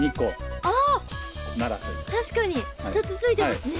あ確かに２つついてますね。